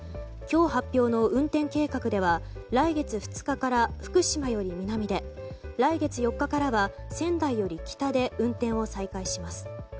今日発表の運転計画では来月２日から福島より南で来月４日からは仙台より北で運転を再開します。